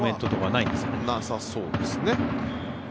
なさそうですね。